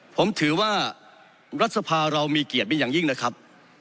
ผมถือว่ารัฐสภาเรามีเกียรติเป็นอย่างยิ่งนะครับ